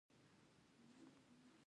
آیا ایران په المپیک کې مډالونه نه ګټي؟